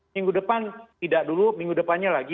minggu depan tidak dulu minggu depannya lagi